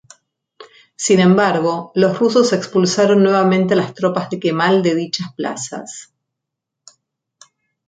Sin embargo, los rusos expulsaron nuevamente a las tropas de Kemal de dichas plazas.